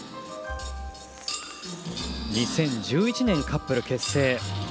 ２０１１年カップル結成。